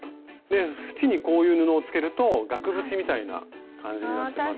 縁にこういう布をつけると額縁みたいな感じになってまた。